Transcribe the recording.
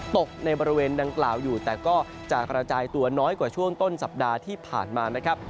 ตกในบริเวณดังกล่าวอยู่แต่ก็จะกระจายตัวน้อยกว่าช่วงต้นสัปดาห์ที่ผ่านมานะครับ